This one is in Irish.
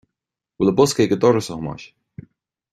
An bhfuil an bosca ag an doras, a Thomáis